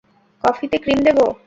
কফিতে ক্রিম দেবো?